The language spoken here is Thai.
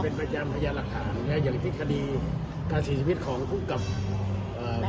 เป็นประจำพยาหรัฐฐานเนี้ยอย่างที่คดีการสีชีพิษของคุกกับเอ่อ